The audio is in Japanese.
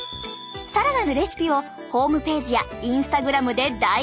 更なるレシピをホームページやインスタグラムで大公開しちゃいます！